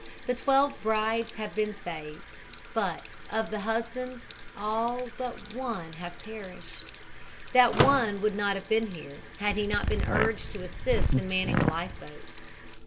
The twelve brides have been saved, but of the husbands all but one have perished. That one would not have been here, had he not been urged to assist in manning a life boat.